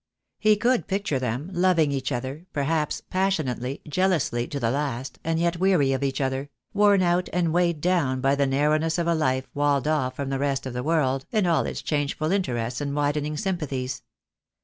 He could picture them, loving each other, perhaps, passionately, jealously to the last, and yet weary of each other, worn out and weighed down by the narrowness of a life walled off from the rest of the world and all its changeful interests and widening sympathies.